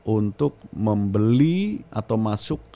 untuk membeli atau masuk